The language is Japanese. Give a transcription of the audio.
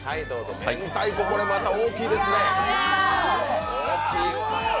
明太子、これまた大きいですね。